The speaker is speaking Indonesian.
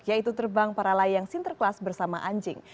yaitu terbang para layang sinterklas bersama anjing